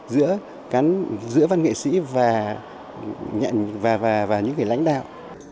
giữa văn nghệ sĩ và những người lãnh đạo